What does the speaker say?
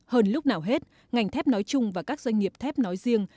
hơn lúc nào hết ngành thép nói chung và các doanh nghiệp thép nói riêng